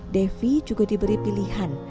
devi juga diberi pilihan